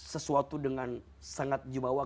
sesuatu dengan sangat jubawa